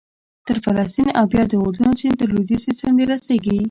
تر فلسطین او بیا د اردن سیند تر لوېدیځې څنډې رسېږي